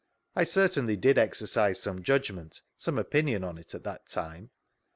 — 4 certainly did exercise some judgment, some <q>inicHi oa it, at that time.